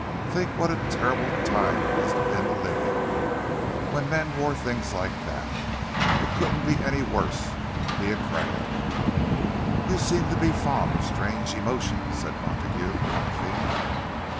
Think what a terrible time it must have been to live in—when men wore things like that! It couldn't be any worse to be a crab." "You seem to be fond of strange emotions," said Montague, laughing.